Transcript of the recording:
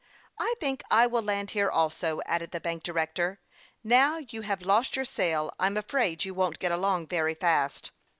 " I think I will land here, also,'' added the bank director. " Now you have lost your sail, I'm afraid you won't get along very fast."